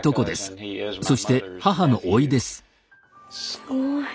すごい。